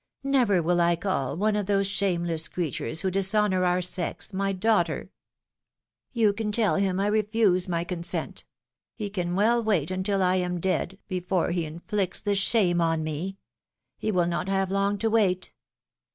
Never will I call one of those shameless creatures, who dishonor our sex, my daughter ! You can tell him I refuse my consent. He can well wait until I am dead, before he inflicts this shame on me ; he will not have long to wait.